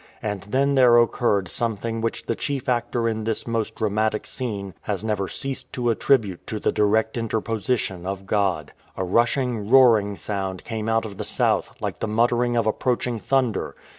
And then there occurred some thing which the chief actor in this most dramatic scene has never ceased to attribute to the direct interposition of God. A rushing, roaring sound came out of the south, like the muttering of approaching thunder.